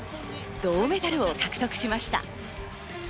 銅メダルを獲得しました。